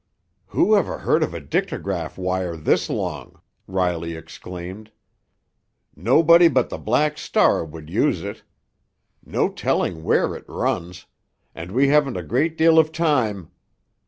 "Whoever heard of a dictograph wire this long!" Riley exclaimed. "Nobody but the Black Star would use it. No telling where it runs—and we haven't a great deal of time!